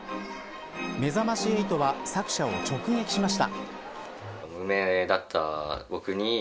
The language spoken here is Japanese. めざまし８は作者を直撃しました。